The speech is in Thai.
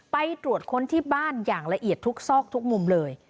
ไปตรวจค้นที่บ้านอย่างละเอียดทุกซอกทุกมุมเลย